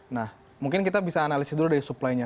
nah mungkin kita bisa analisis dulu dari supply nya